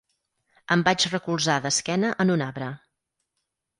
Em vaig recolzar d'esquena en un arbre.